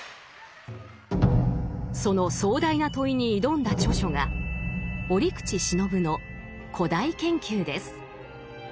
その壮大な問いに挑んだ著書が折口信夫の「古代研究」です。